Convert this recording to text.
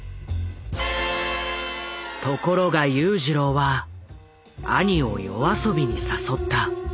ところが裕次郎は兄を夜遊びに誘った。